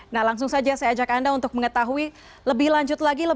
nah langsung saja saya ajak anda untuk mengetahui lebih lanjut lagi